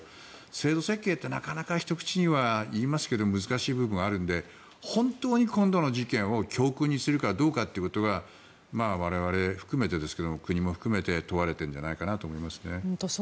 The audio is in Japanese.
制度設計ってなかなかひと口には言いますが難しい部分があるので本当に今度の事件を教訓にするかどうかというのが我々含めて国も含めて問われているのではないかと思いますね。